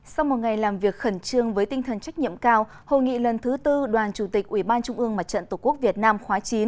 sau một ngày làm việc khẩn trương với tinh thần trách nhiệm cao hội nghị lần thứ tư đoàn chủ tịch ủy ban trung ương mặt trận tổ quốc việt nam khóa chín